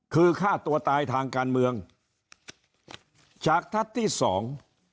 คือฆ่าตัวตายทางการเมืองฉากทัศน์ที่สอง